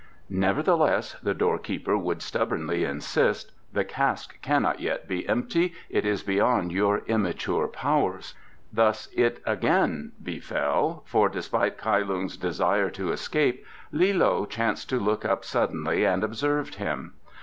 "Nevertheless," the doorkeeper would stubbornly insist, "the cask cannot yet be empty. It is beyond your immature powers." Thus it again befell, for despite Kai Lung's desire to escape, Li loe chanced to look up suddenly and observed him.